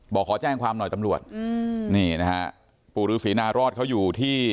บอกขอแจ้งความหน่อยตำรวจอืมนี่นะฮะปู่ฤษีนารอดเขาอยู่ที่